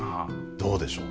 どうでしょう？